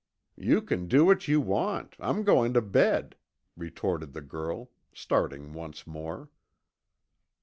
"You can do what you want, I'm going to bed," retorted the girl, starting once more.